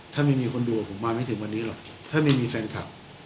ถ้าไม่มีคนดูผมมาไม่ถึงวันนี้หรอกถ้าไม่มีแฟนคลับ